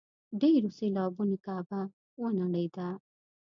ډېرو سېلابونو کعبه ونړېده.